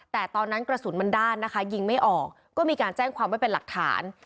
แต่ตอนนั้นกระสุนมันด้านนะคะยิงไม่ออกก็มีการแจ้งความไว้เป็นหลักฐาน